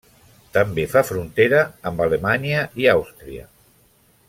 També fa frontera amb Alemanya i Àustria.